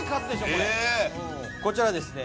これえこちらはですね